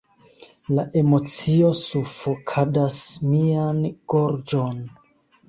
La emocio sufokadas mian gorĝon.